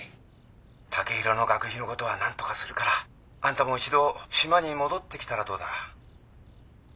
☎剛洋の学費のことは何とかするから。あんたも一度島に戻ってきたらどうだ？